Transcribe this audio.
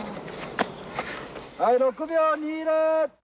はい６秒２０。